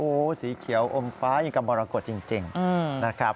โอ้โหสีเขียวอมฟ้ายังกับมรกฏจริงนะครับ